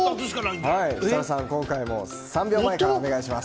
設楽さん、今回も３秒前からお願いします。